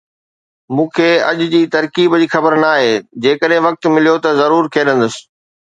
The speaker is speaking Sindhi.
مون کي اڄ جي ترڪيب جي خبر ناهي، جيڪڏهن وقت مليو ته ضرور کيڏندس.